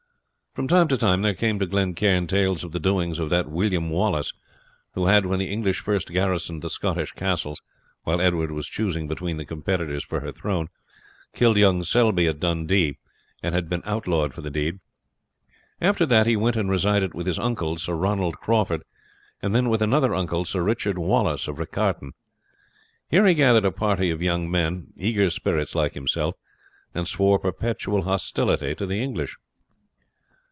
From time to time there came to Glen Cairn tales of the doings of that William Wallace who had, when the English first garrisoned the Scottish castles, while Edward was choosing between the competitors for her throne, killed young Selbye at Dundee, and had been outlawed for the deed. After that he went and resided with his uncle, Sir Ronald Crawford, and then with another uncle, Sir Richard Wallace of Riccarton. Here he gathered a party of young men, eager spirits like himself, and swore perpetual hostility to the English.